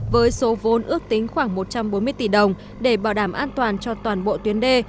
với số vốn ước tính khoảng một trăm bốn mươi tỷ đồng để bảo đảm an toàn cho toàn bộ tuyến đê